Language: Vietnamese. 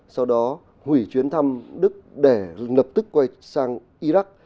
sau đó hủy chuyến thăm đức để lập tức quay sang iraq